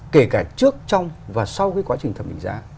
kể cả trước trong và sau cái quá trình thẩm định giá